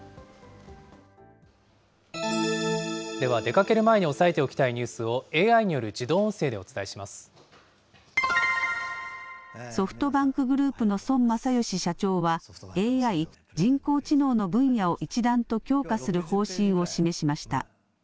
では、出かける前に押さえておきたいニュースをＡＩによる自動音声でおソフトバンクグループの孫正義社長は、ＡＩ・人工知能の分野を一段と強化する方針を示しました。